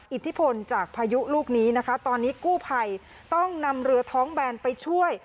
อิทธิพลจากพายุลูกนี้นะคะตอนนี้กู้ภัยต้องนำเรือท้องแบนไปช่วย